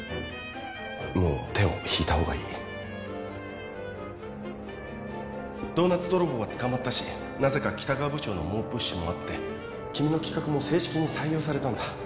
もう手を引いた方がいいドーナツ泥棒は捕まったしなぜか北川部長の猛プッシュもあって君の企画も正式に採用されたんだ